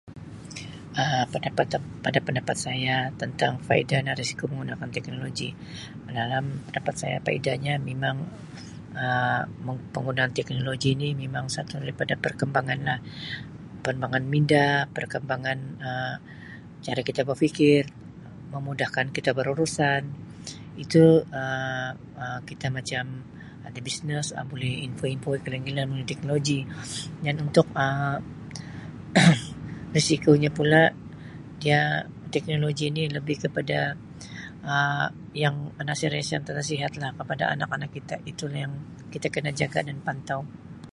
Um Pendapat- Pada pendapat saya tentang faedah dan risiko menggunakan teknologi, dalam pendapat saya faedahnya mimang Um penggunaan teknologi ni mimang satu daripada perkembangan lah, perkembangan minda, perkembangan Um cara kota berfikir, memudahkan kita berurusan itu Um kita macam ada business boleh info-info iklan-iklan melalui teknologi dan untuk Um risikonya pula dia teknologi ni lebih kepada Um yang anasir-anasir yang tidak sihatlah untuk anak kita, itulah yang kita kena jaga dan pantau.